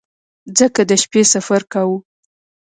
ځکه د شپې سفر کاوه.